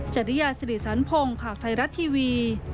จริยาศรีสรรพงธ์ข่าวไทยรัตทีวี